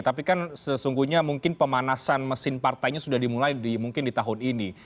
tapi kan sesungguhnya mungkin pemanasan mesin partainya sudah dimulai mungkin di tahun ini